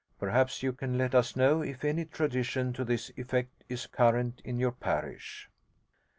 Perhaps you can let us know if any tradition to this effect is current in your parish.'